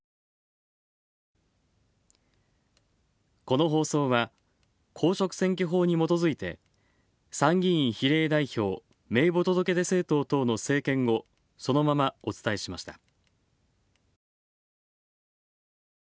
この放送は、公職選挙法にもとづいて参議院比例代表名簿届出政党等の政見をそのままお伝えしました。